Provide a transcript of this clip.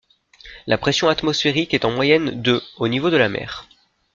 La pression atmosphérique est en moyenne de au niveau de la mer.